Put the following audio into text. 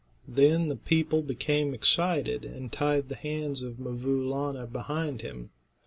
Then the people became excited, and tied the hands of 'Mvoo Laana behind him.